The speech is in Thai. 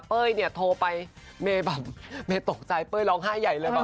เป้ยเนี่ยโทรไปเมตกใจเป้ยร้องไห้ใหญ่เลยแบบ